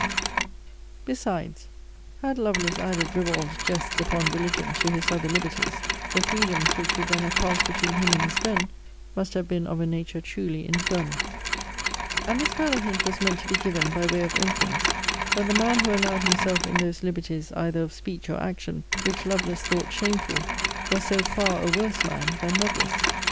and Vol. V. Letter VIII. Besides, had Lovelace added ribbald jests upon religion, to his other liberties, the freedoms which would then have passed between him and his friend, must have been of a nature truly infernal. And this farther hint was meant to be given, by way of inference, that the man who allowed himself in those liberties either of speech or action, which Lovelace thought shameful, was so far a worse man than Lovelace.